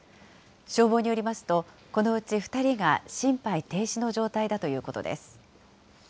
消防によりますと、このうち２人が心肺停止の状態だということです。